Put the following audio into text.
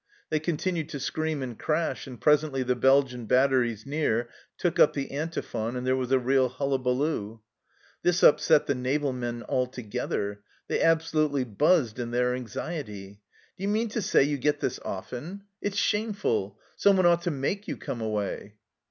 They continued to scream and crash, and presently the Belgian batteries near took up the antiphon and there was a real hullabaloo. This upset the naval men altogether. They absolutely buzzed in their anxiety " Do you mean to say you get this often ? It's THE END OF 1914 177 shameful ! Someone ought to make you come away."